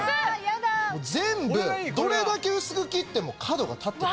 全部どれだけ薄く切っても角が立ってる。